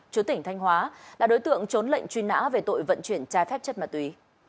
chú tỉnh thanh hóa là đối tượng trốn lệnh truy nã về tội vận chuyển trái phép chất ma túy